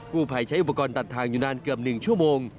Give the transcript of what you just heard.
ผู้ภัยใช้อุปกรณ์ตัดทางอยู่นานเกือบ๑ชั่วโมง